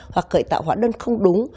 hoặc khởi tạo hóa đơn không đúng